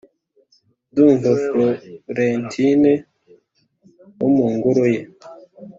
ndumva florentine, wo mu ngoro ye